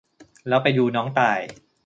แล้วไปดูน้องต่าย